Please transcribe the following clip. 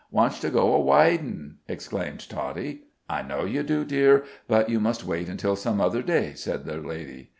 "Wantsh to go a widin'!" exclaimed Toddie. "I know you do, dear, but you must wait until some other day," said the lady.